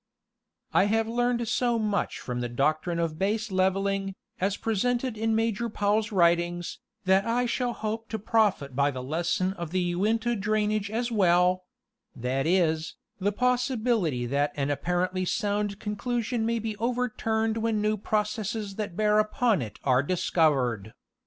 I have learned so much from the doctrine of baselevelling, as presented in Major Powell's writings, that I shall hope to profit by the lesson of the Uinta drainage as well: that is, the possibil ity that an apparently sound conclusion may be overturned when new processes that bear upon it are discovered.